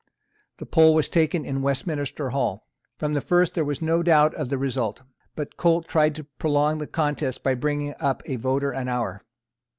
The poll was taken in Westminster Hall. From the first there was no doubt of the result. But Colt tried to prolong the contest by bringing up a voter an hour.